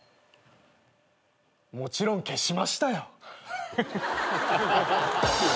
もちろん消しましたよ。